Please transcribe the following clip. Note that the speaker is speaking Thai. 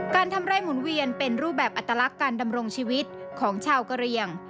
ทำไร่หมุนเวียนเป็นรูปแบบอัตลักษณ์การดำรงชีวิตของชาวกะเรียง